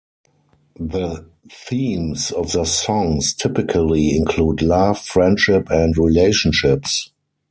The themes of their songs typically include love, friendship and relationships.